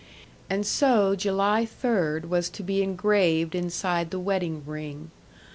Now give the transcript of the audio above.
And so July third was to be engraved inside the wedding ring.